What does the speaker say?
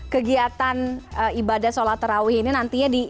kegiatan ibadah sholat terawih ini nantinya di